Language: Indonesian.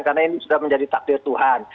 karena ini sudah menjadi takdir tuhan